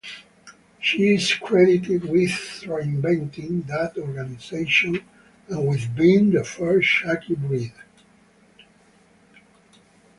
She is credited with reinventing that organisation and with being the first khaki bride.